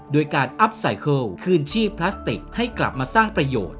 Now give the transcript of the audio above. โดยการอัพไซเคิลคืนชีพพลาสติกให้กลับมาสร้างประโยชน์